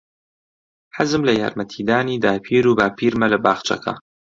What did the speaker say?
حەزم لە یارمەتیدانی داپیر و باپیرمە لە باخچەکە.